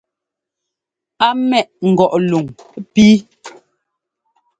Á ḿmɛʼ ŋgɔʼ luŋ píi.